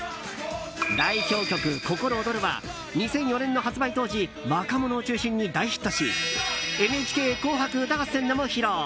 代表曲「ココロオドル」は２００４年の発売当時若者を中心に大ヒットし「ＮＨＫ紅白歌合戦」でも披露。